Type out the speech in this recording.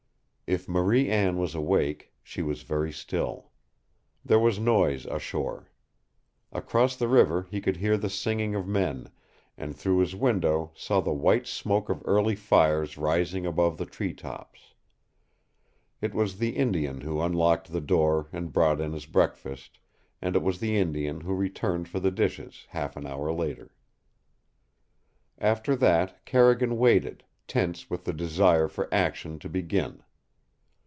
If Marie Anne was awake, she was very still. There was noise ashore. Across the river he could hear the singing of men, and through his window saw the white smoke of early fires rising above the tree tops. It was the Indian who unlocked the door and brought in his breakfast, and it was the Indian who returned for the dishes half an hour later. After that Carrigan waited, tense with the desire for action to begin.